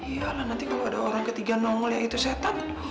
iya lah nanti kalau ada orang ketiga nongol yaitu setan